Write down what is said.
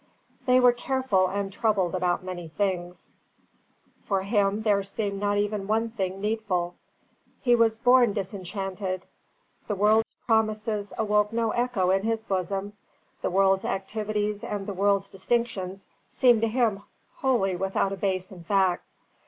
They were careful and troubled about many things; for him there seemed not even one thing needful. He was born disenchanted, the world's promises awoke no echo in his bosom, the world's activities and the world's distinctions seemed to him equally without a base in fact.